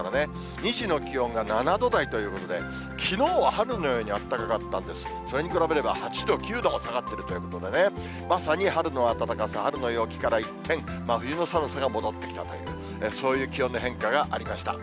２時の気温が７度台ということで、きのうは春のようにあったかかったんです、それに比べれば、８度、９度も下がってるということでね、まさに春の暖かさ、春の陽気から一転、真冬の寒さが戻ってきたという、そういう気温の変化がありました。